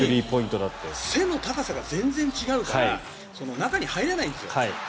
本当に背の高さが全然違うから中に入れないんです。